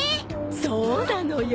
そうなのよ。